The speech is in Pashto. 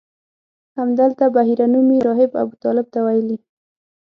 همدلته بحیره نومي راهب ابوطالب ته ویلي.